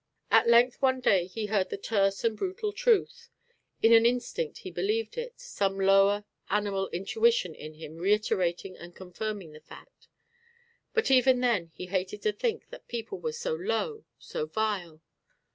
At length one day he heard the terse and brutal truth. In an instant he believed it, some lower, animal intuition in him reiterating and confirming the fact. But even then he hated to think that people were so low, so vile.